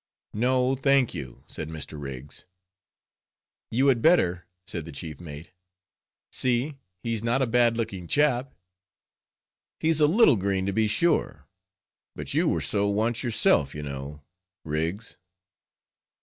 "No, I thank you," said Mr. Rigs. "You had better," said the chief mate—"see, he's not a bad looking chap—he's a little green, to be sure, but you were so once yourself, you know, Rigs."